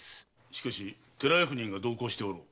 しかし寺役人が同行しておろう。